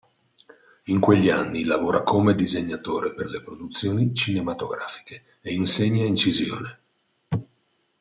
In quegli anni lavora come disegnatore per le produzioni cinematografiche e insegna incisione.